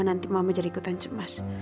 nanti mama jadi ikutan cemas